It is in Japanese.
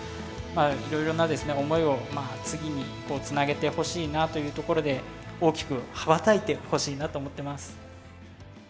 いろいろな思いを次につなげてほしいなというところで大きく羽ばたいてほしいなと思ってます。